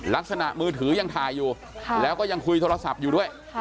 มือถือยังถ่ายอยู่แล้วก็ยังคุยโทรศัพท์อยู่ด้วย